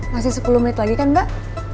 masih sepuluh menit lagi kan mbak